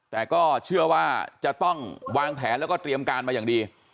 แต่ก็เชื่อว่าจะต้องวางแผนแล้วก็เตรียมการมาอย่างดี